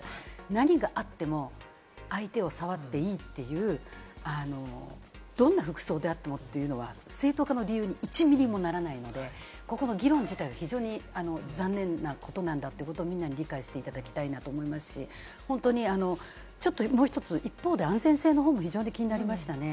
何があっても相手を触っていいっていう、どんな服装であってもというのは正当化の理由に１ミリもならないので、ここの議論自体が非常に残念なことなんだということをみんなに理解していただきたいなと思いますし、もう１つ、一方で安全性の方も非常に気になりましたね。